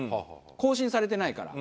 更新されてないから。